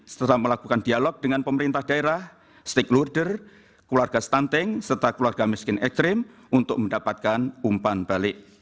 setelah melakukan dialog dengan pemerintah daerah stakeholder keluarga stunting serta keluarga miskin ekstrim untuk mendapatkan umpan balik